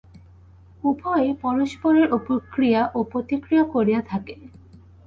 উভয়েই পরস্পরের উপর ক্রিয়া ও প্রতিক্রিয়া করিয়া থাকে।